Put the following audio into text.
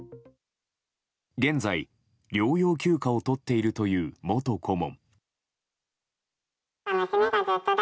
現在、療養休暇を取っているという元顧問。